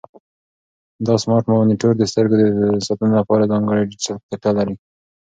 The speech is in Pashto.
دا سمارټ مانیټور د سترګو د ساتنې لپاره ځانګړی ډیجیټل فلټر لري.